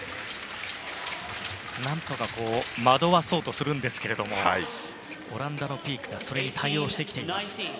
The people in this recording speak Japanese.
何とか惑わそうとしますがオランダのピークがそれに対応してきています。